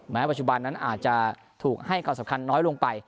ปัจจุบันนั้นอาจจะถูกให้ความสำคัญน้อยลงไป